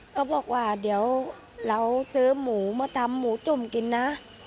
เขาบอกว่าเดี๋ยวเราซื้อหมูมาทำหมูตุ่มกินนะ